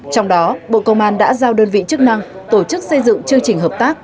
trong đó bộ công an đã giao đơn vị chức năng tổ chức xây dựng chương trình hợp tác